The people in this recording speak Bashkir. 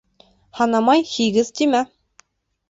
Һанамай «һигеҙ», тимә.